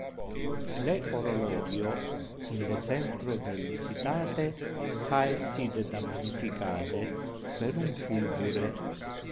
Le horologio in le centro del citate ha essite damnificate per un fulgure.